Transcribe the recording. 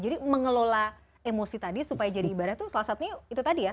jadi mengelola emosi tadi supaya jadi ibadah itu salah satunya itu tadi ya